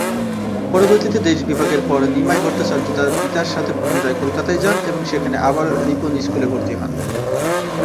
পরবর্তীতে দেশ বিভাগের পর নিমাই ভট্টাচার্য তাঁর পিতার সাথে পুনরায় কলতায় যান এবং সেখানে আবারো রিপন স্কুলে ভর্তি হন।